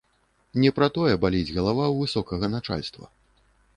Не пра тое баліць галава ў высокага начальства.